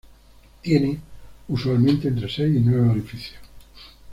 Tiene usualmente entre seis y nueve orificios.